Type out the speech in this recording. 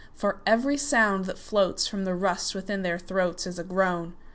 For every sound that floatsFrom the rust within their throatsIs a groan.